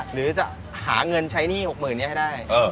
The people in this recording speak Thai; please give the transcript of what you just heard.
หรือจะหาเงินใช้หนี้๖๐๐๐นี้ให้ได้